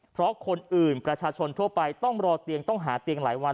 เพราะคนอื่นประชาชนทั่วไปต้องรอเตียงต้องหาเตียงหลายวัน